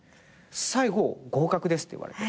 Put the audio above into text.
最後「合格です」って言われて。